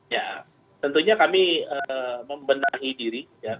ya tentunya kami membenahi diri